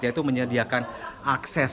yaitu menyediakan akses